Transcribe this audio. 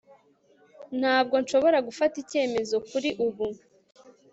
Ntabwo nshobora gufata icyemezo kuri ubu